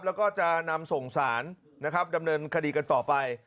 แล้วก็จะนำส่งสารนะครับดำเนินคดีกันต่อไป